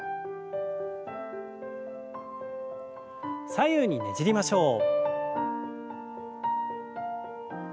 左右にねじりましょう。